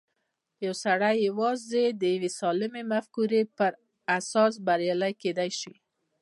يو سړی يوازې د يوې سالمې مفکورې پر اساس بريالی کېدای شي.